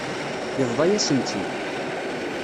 Yebḍa-yasen-tt-id.